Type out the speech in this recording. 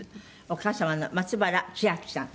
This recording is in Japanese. お母様の松原千明さん。